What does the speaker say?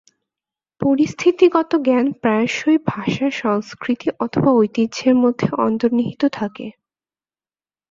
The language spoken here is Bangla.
পরিস্থিতি গত জ্ঞান প্রায়শই ভাষা, সংস্কৃতি, অথবা ঐতিহ্যের মধ্যে অন্তর্নিহিত থাকে।